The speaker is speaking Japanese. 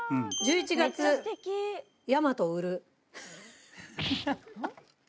「１１月大和売る」。